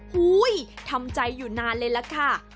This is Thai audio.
ทำใจอยู่นานเลยล่ะค่ะ